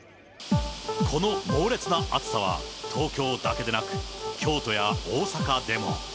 この猛烈な暑さは、東京だけでなく、京都や大阪でも。